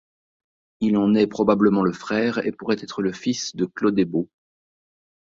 Il en est probablement le frère et pourrait être fils de Clodebaud.